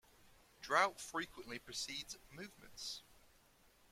Drought frequently precedes movements.